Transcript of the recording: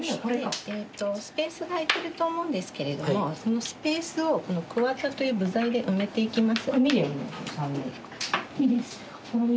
スペースが空いてると思うんですけれどもそのスペースをこのクワタという部材で埋めていきます。